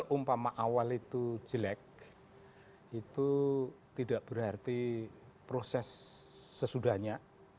umpama awal itu jelek itu tidak berarti proses sesudahnya